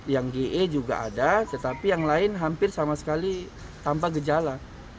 yang ge juga ada tetapi yang lain hampir sama sekali tanpa gejala